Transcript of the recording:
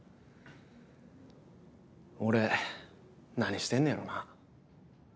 俺何してんねやろなぁ。